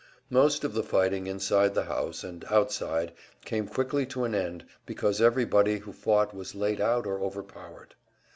Most of the fighting inside the house and outside came quickly to an end, because everybody who fought was laid out or overpowered.